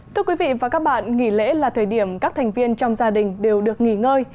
thưa quý vị và các bạn nghỉ lễ là thời điểm các thành viên trong gia đình đều được nghỉ ngơi